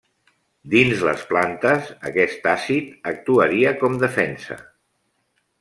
Dins les plantes aquest àcid actuaria com defensa.